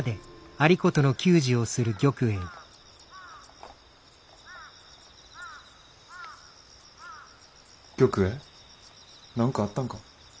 何かあったんか。